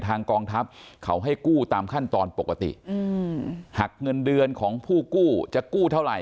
กองทัพเขาให้กู้ตามขั้นตอนปกติอืมหักเงินเดือนของผู้กู้จะกู้เท่าไหร